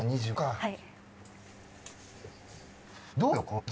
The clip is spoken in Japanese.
はい。